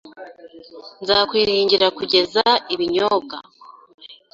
Nzakwiringira kuzana ibinyobwa